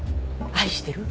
「愛してる？」